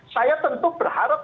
saya tentu berharap